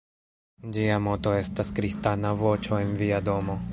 Ĝia moto estas: "Kristana voĉo en via domo".